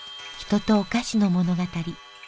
人とお菓子の物語。